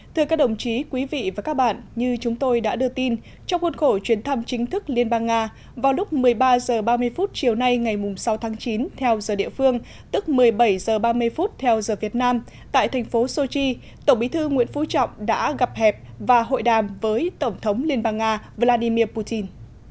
thưa các đồng chí quý vị và các bạn như chúng tôi đã đưa tin trong cuốn khổ chuyến thăm chính thức liên bang nga vào lúc một mươi ba h ba mươi chiều nay ngày sáu tháng chín theo giờ địa phương tức một mươi bảy h ba mươi theo giờ việt nam tại thành phố sochi tổng bí thư nguyễn phú trọng đã gặp hẹp và hội đàm với tổng thống liên bang nga vladimir putin